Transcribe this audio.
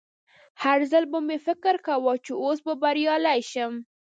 هر ځل به مې فکر کاوه چې اوس به بریالی شم